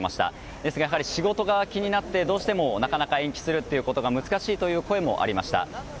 ですが、仕事が気になってどうしてもなかなか延期することが難しいという声もありました。